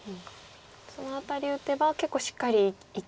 その辺り打てば結構しっかり生きに。